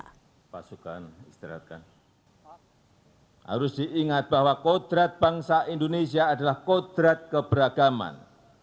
harus diingat bahwa kodrat bangsa indonesia adalah kodrat keberagaman